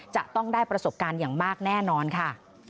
จะต้องได้ประสบการณ์อย่างมากแน่นอนค่ะ